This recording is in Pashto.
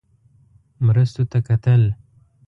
مرستو ته کتل.